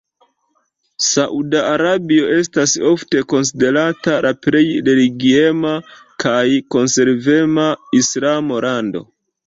Sauda Arabio estas ofte konsiderata la plej religiema kaj konservema islama lando.